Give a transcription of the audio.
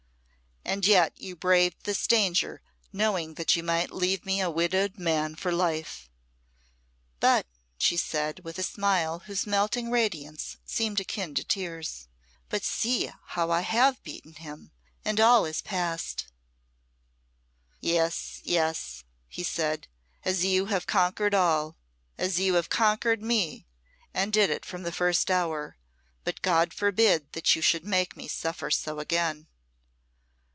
"And yet you braved this danger, knowing that you might leave me a widowed man for life." "But," she said, with a smile whose melting radiance seemed akin to tears "but see how I have beaten him and all is passed." "Yes, yes," he said, "as you have conquered all as you have conquered me and did from the first hour. But God forbid that you should make me suffer so again."